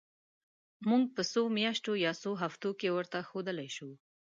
موږ په څو میاشتو یا څو هفتو کې ورته ښودلای شو.